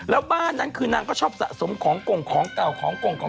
แล้วบ้านนั้นคือนางก็ชอบสะสมของกง